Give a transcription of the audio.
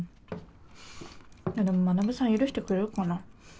でも学さん許してくれるかな。